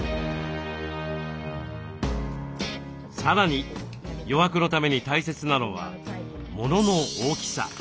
さらに余白のために大切なのはモノの大きさ。